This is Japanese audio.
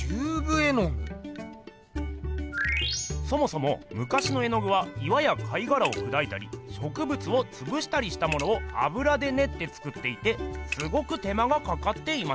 そもそもむかしの絵具は岩や貝がらをくだいたりしょくぶつをつぶしたりしたものをあぶらでねって作っていてすごく手間がかかっていました。